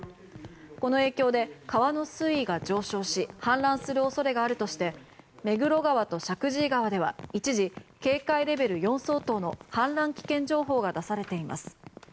この影響で、川の水位が上昇し氾濫する恐れがあるとして目黒川と石神井川では一時、警戒レベル４相当の氾濫危険情報が出されています。